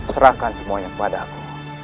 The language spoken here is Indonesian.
serahkan semuanya kepada aku